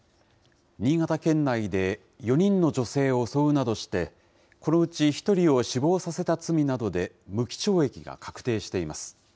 新潟県内で４人の女性を襲うなどして、このうち１人を死亡させた罪などで無期懲役が確定しています。